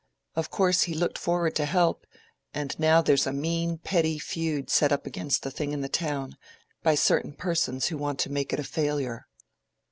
Of course he looked forward to help. And now there's a mean, petty feud set up against the thing in the town, by certain persons who want to make it a failure."